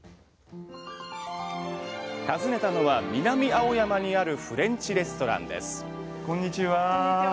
訪ねたのは南青山にあるフレンチレストランですこんにちは。